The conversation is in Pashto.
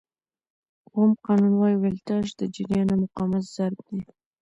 د اوم قانون وایي ولټاژ د جریان او مقاومت ضرب دی.